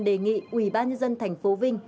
đề nghị ủy ban nhân dân thành phố vinh